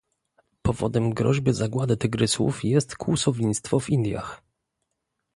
Powodem groźby zagłady tygrysów jest kłusownictwo w Indiach